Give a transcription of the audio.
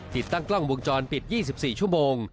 ติดตั้งกล้องวงจรปิด๒๔ชั่วโมง